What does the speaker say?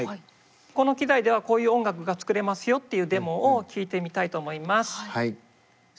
この機材ではこういう音楽が作れますよっていうデモを聴いてみたいと思います。